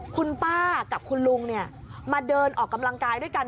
คุณป้ากับคุณลุงมาเดินออกกำลังกายด้วยกัน